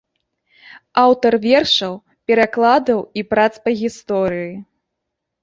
Аўтар вершаў, перакладаў і прац па гісторыі.